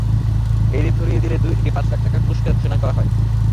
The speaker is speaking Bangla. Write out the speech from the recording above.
এঁদের ধরিয়ে দিলে দুই থেকে পাঁচ লাখ টাকা পুরস্কার ঘোষণা করা হয়।